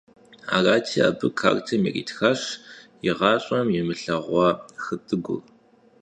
Arati, abı kartem yiritxaş yiğaş'em yimılheğua xıt'ıgur.